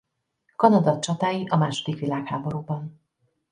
Kanada csatái a második világháborúban